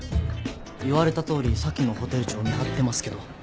言われたとおりさっきのホテル長を見張ってますけど。